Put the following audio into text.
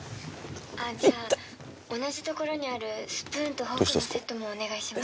☎あっじゃあ同じ所にある痛っ☎スプーンとフォークのセットもお願いします